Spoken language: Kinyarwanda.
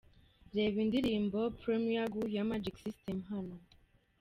Reba indirimbo Premier Gaou ya Magic System hano:.